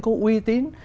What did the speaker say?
có uy tín